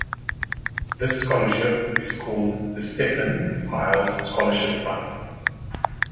This scholarship is called The Stephan Pyles Scholarship Fund.